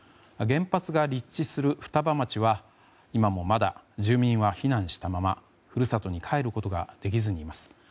原発が立地する双葉町は今もまだ住民は避難したまま故郷に帰ることができずにいます。